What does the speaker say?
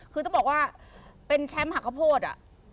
คือต้องบอกว่าเป็นแชมป์หักข้าวโพดอ่ะ